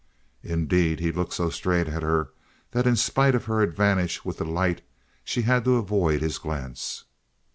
Indeed, he looked so straight at her that in spite of her advantage with the light she had to avoid his glance.